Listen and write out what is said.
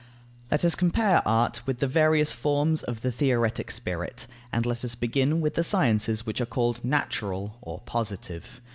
Let us compare art with the various forms of the theoretic spirit, and let us begin with the sciences which are called natural or positive.